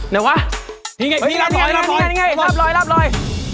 นี่ไงนี่ไงลาบลอย